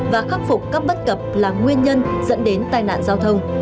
và khắc phục các bất cập là nguyên nhân dẫn đến tai nạn giao thông